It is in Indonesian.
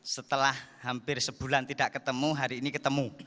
setelah hampir sebulan tidak ketemu hari ini ketemu